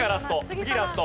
次ラスト。